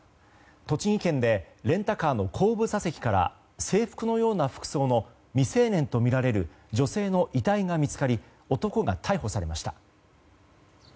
栃木県でレンタカーの後部座席から制服のような服装の未成年とみられる女性の遺体が見つかり男が逮捕されました。